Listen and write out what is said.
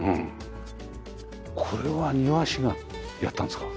これは庭師がやったんですか？